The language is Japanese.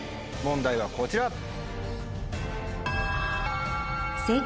問題はこちら。